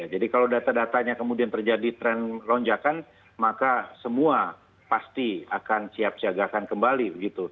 jadi kalau data datanya kemudian terjadi tren lonjakan maka semua pasti akan siap siagakan kembali